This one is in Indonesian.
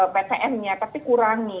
ptm nya tapi kurangi